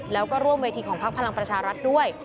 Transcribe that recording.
แล้วก็ร่วมเวทีของพักพลังประชารัฐด้วย